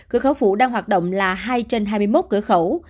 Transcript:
cửa khẩu phụ đang hoạt động là hai trên hai mươi một cửa khẩu